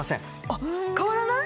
あっ変わらない？